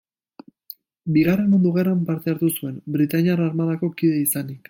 Bigarren Mundu Gerran parte hartu zuen, Britainiar Armadako kide izanik.